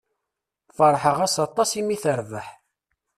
Feṛḥeɣ-as aṭas i mi terbeḥ.